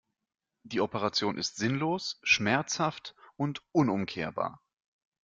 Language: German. Die Operation ist sinnlos, schmerzhaft und unumkehrbar.